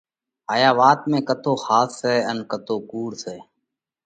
هايا وات ۾ ڪتو ۿاس سئہ ان ڪتو ڪُوڙ سئہ،